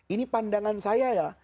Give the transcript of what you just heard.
ini pandangan saya ya